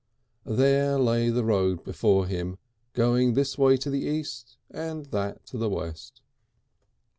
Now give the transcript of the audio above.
There lay the road before him going this way to the east and that to the west.